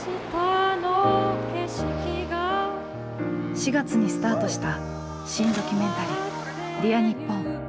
４月にスタートした新・ドキュメンタリー「Ｄｅａｒにっぽん」。